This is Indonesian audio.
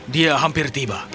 dia hampir tiba